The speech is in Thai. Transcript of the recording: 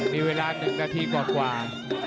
มีเวลาหนึ่งนาทีกว่ากว่า